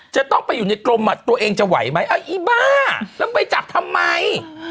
จะต้องไปอยู่ในกรมอ่ะตัวเองจะไหวไหมอีบ้าแล้วไปจับทำไม